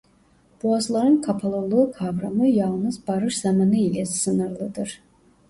Boğazların kapalılığı kavramı yalnız barış zamanı ile sınırlıdır.